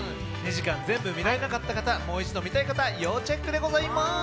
２時間全部見られなかった方もう一度見たい方、要チェックでございます！